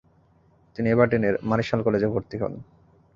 তিনি এবারডিনের মারিশাল কলেজে ভর্তি হন।